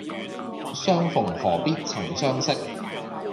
相逢何必曾相識